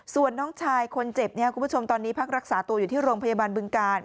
ส่วนน้องชายคนเจ็บเนี่ยคุณผู้ชมตอนนี้พักรักษาตัวอยู่ที่โรงพยาบาลบึงกาล